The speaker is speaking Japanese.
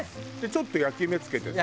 ちょっと焼き目付けてさ。